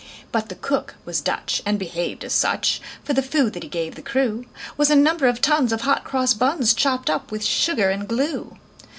But the cook was Dutch, and behaved as such; For the food that he gave the crew Was a number of tons of hot cross buns, Chopped up with sugar and glue.